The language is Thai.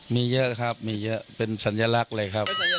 มีเยอะครับมีเยอะเป็นสัญลักษณ์เลยครับ